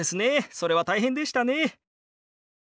それは大変でしたね。